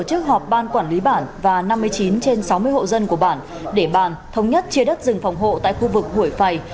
tổ chức họp ban quản lý bản và năm mươi chín trên sáu mươi hộ dân của bản để bàn thống nhất chia đất rừng phòng hộ tại khu vực hủy phày